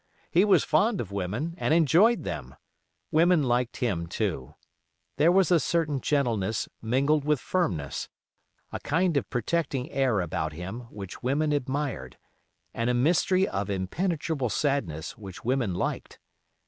He was fond of women, and enjoyed them. Women liked him too. There was a certain gentleness mingled with firmness, a kind of protecting air about him which women admired, and a mystery of impenetrable sadness which women liked.